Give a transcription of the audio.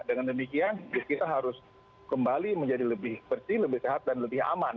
dengan demikian kita harus kembali menjadi lebih bersih lebih sehat dan lebih aman